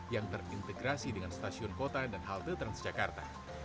yang terintegrasi dengan stasiun kota dan halte transjakarta